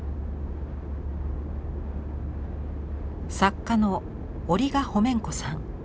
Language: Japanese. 作家のオリガホメンコさん。